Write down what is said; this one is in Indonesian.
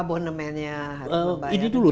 abonemennya harus dibayar